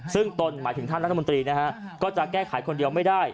ซึ่งตนหมายถึงท่านรัฐมนตรีนะฮะก็จะแก้ไขคนเดียวไม่ได้